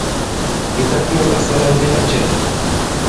Ǹtɛk mu la sala ndi lacɛ ?